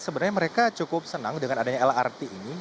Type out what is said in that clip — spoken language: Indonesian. sebenarnya mereka cukup senang dengan adanya lrt ini